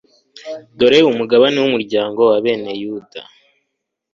dore umugabane w'umuryango wa bene yuda